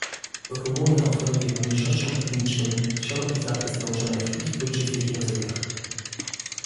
Rumunia oferuje mniejszościom etnicznym szeroki zakres nauczania w ich ojczystych językach